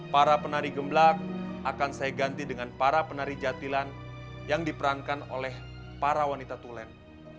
para penari gemblak akan saya ganti dengan para penari jatilan yang diperankan oleh para wanita tulen